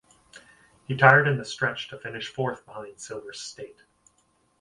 He tired in the stretch to finish fourth behind Silver State.